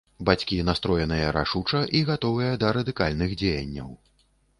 Бацькі настроеныя рашуча і гатовыя да радыкальных дзеянняў.